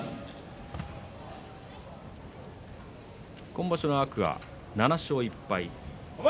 今場所の天空海、７勝１敗。